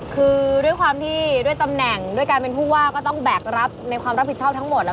คือด้วยความที่ด้วยตำแหน่งด้วยการเป็นผู้ว่าก็ต้องแบกรับในความรับผิดชอบทั้งหมดแล้ว